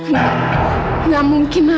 tidak mungkin ma